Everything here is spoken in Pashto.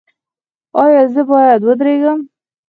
ایا زه باید ودریږم؟